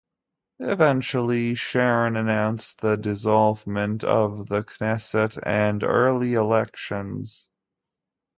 Eventually Sharon announced the dissolvement of the Knesset and early elections.